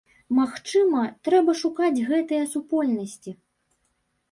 Магчыма, трэба шукаць гэтыя супольнасці.